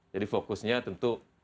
jadi fokusnya tentu